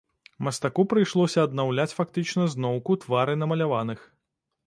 Мастаку прыйшлося аднаўляць фактычна зноўку твары намаляваных.